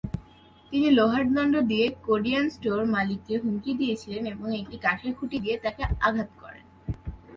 তিনি লোহার দণ্ড দিয়ে কোরিয়ান স্টোর মালিককে হুমকি দিয়েছিলেন এবং একটি কাঠের খুঁটি দিয়ে তাকে আঘাত করেন।